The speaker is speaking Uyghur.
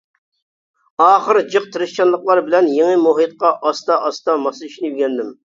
ئاخىر جىق تىرىشچانلىقلار بىلەن يېڭى مۇھىتقا ئاستا-ئاستا ماسلىشىشنى ئۆگەندىم.